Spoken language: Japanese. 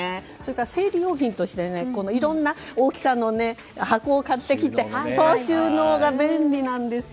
整理用品としていろんな大きさの箱を買ってきて収納が便利なんですよ。